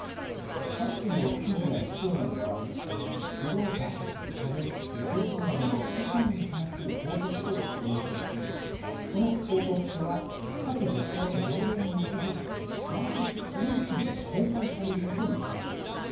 各地の知事や市長などは不動産、株、自動車などの資産に関する報告書を提出しその報告書は各自治体の条例に基づいて毎年この時期に公開されることになっています。